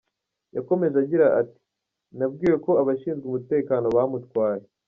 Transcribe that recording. Yakomeje agira ati “Nabwiwe ko abashinzwe umutekano bamutwaye.